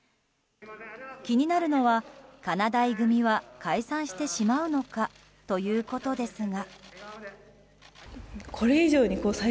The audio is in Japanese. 気になるのは、かなだい組は解散してしまうのかということですが。